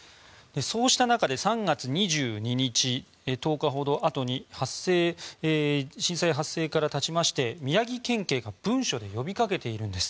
そうした中で３月２２日１０日ほどあとに宮城県警が文書で呼びかけているんです。